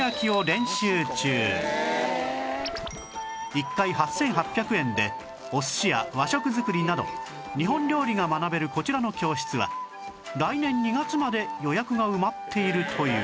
１回８８００円でお寿司や和食作りなど日本料理が学べるこちらの教室は来年２月まで予約が埋まっているという